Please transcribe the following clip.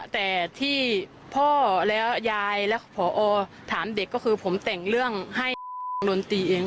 แต่ที่พ่อและยายและผอถามเด็กก็คือผมแต่งเรื่องให้นนตรีเอง